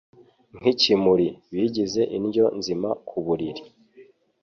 n’ikimuri, bigize indyo nzima ku mubiri